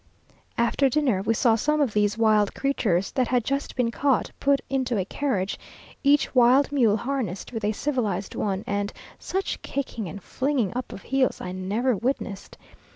After dinner we saw some of these wild creatures, that had just been caught, put into a carriage, each wild mule harnessed with a civilized one, and such kicking and flinging up of heels I never witnessed.